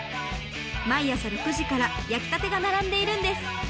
毎朝６時から焼きたてが並んでいるんです。